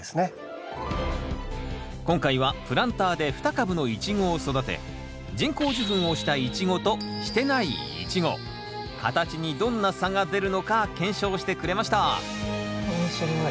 今回はプランターで２株のイチゴを育て人工授粉をしたイチゴとしてないイチゴ形にどんな差が出るのか検証してくれました面白い。